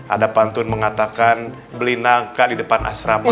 ada pantun mengatakan beli nangka di depan asrama